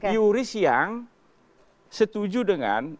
yuris yang setuju dengan